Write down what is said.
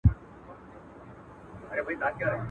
بد ښکارېږم چي وړوکی یم، سلطان یم.